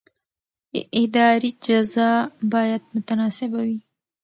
اداري جزا باید متناسبه وي.